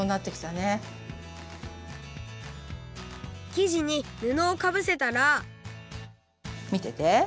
生地にぬのをかぶせたらみてて。